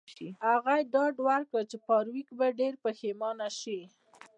هغه ډاډ ورکړ چې فارویک به ډیر پښیمانه شي